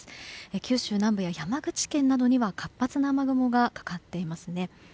九州南部や山口県などには活発な雨雲がかかっていますね。